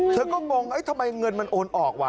เธอก็งงทำไมเงินมันโอนออกว่